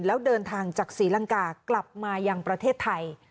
แล้วเดินทางจากศรีลังกากลับมายังประเทศไทย